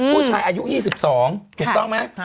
พูดถ่ายอายุ๒๒แต่ต้องไหม